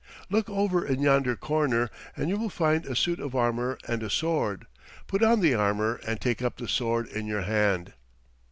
Look over in yonder corner, and you will find a suit of armor and a sword. Put on the armor and take up the sword in your hand."